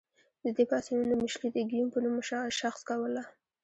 د دې پاڅونونو مشري د ګیوم په نوم شخص کوله.